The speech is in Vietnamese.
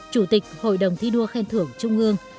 chủ tịch hội đồng thi đua khen thưởng trung ương